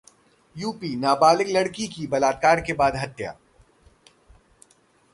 UP नाबालिग लड़की की बलात्कार के बाद हत्या